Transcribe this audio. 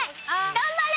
頑張れ！